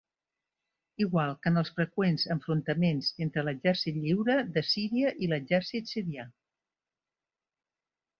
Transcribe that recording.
Igual que en els freqüents enfrontaments entre l'Exèrcit Lliure de Sirià i l'exèrcit sirià.